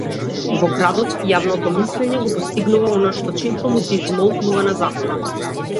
Во градот јавното мислење го постигнува она што често му се измолкнува на законот.